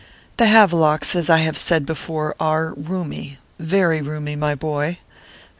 The Havelocks, as I have said before, are roomy very roomy, my boy.